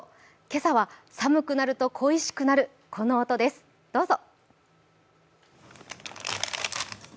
今朝は寒くなると恋しくなるこの音です、どうぞ。